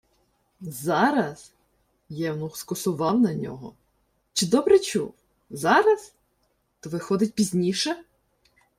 «Зараз»? Євнух скосував на нього. Чи добре чув? Зараз? То виходить, пізніше?